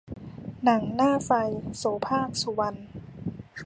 หนังหน้าไฟ- โสภาค สุวรรณ